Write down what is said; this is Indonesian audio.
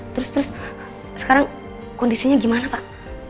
terus terus sekarang kondisinya gimana pak